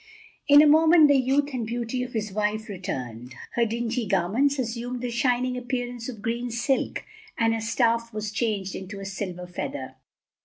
In a moment the youth and beauty of his wife returned; her dingy garments assumed the shining appearance of green silk, and her staff was changed into a silver feather.